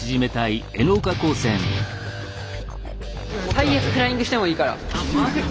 最悪フライングしてもいいから。